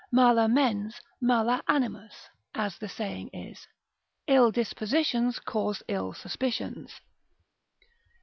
Mala mens, malus animus, as the saying is, ill dispositions cause ill suspicions.